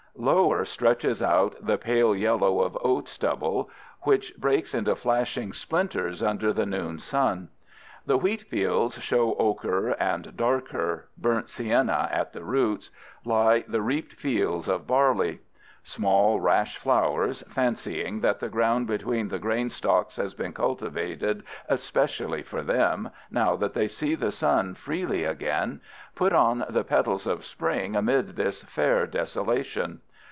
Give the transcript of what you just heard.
Lower stretches out the pale yellow of oats stubble, which breaks into flashing splinters under the noon sun. The wheat fields show ocher, and darker—burnt sienna at the roots—lie the reaped fields of barley. Small rash flowers, fancying that the ground between the grain stalks has been cultivated especially for them, now that they see the sun freely again, put on the petals of spring amid this fair desolation.